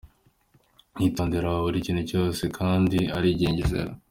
Yitondera buri kintu cyose kandi arigengesera.